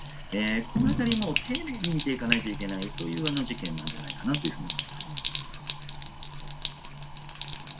このあたりも丁寧に見ていかないといけないそういう事件なんじゃないかなというふうに思います。